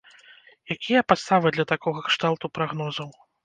Якія падставы для такога кшталту прагнозаў?